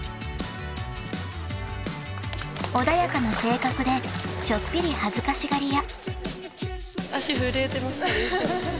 ［穏やかな性格でちょっぴり恥ずかしがり屋］